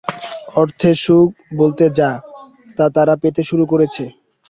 অর্থের সুখ বলতে যা, তা তাঁরা পেতে শুরু করেছেন।